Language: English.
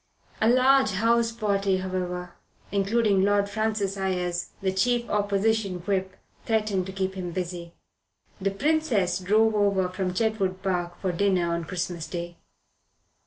A large houseparty, however, including Lord Francis Ayres, the chief Opposition Whip, threatened to keep him busy. The Princess drove over from Chetwood Park for dinner on Christmas Day.